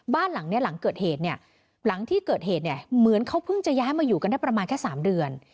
บ้านหลังนี้หลังเกิดเหตุเนี่ยหลังที่เกิดเหตุเนี่ยเหมือนเขาเพิ่งจะย้ายมาอยู่กันได้ประมาณแค่๓เดือน